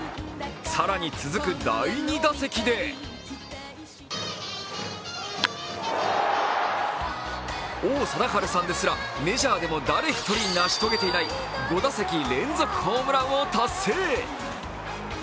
更に、続く第２打席で王貞治さんですらメジャーでも誰一人成し遂げていない５打席連続ホームランを達成！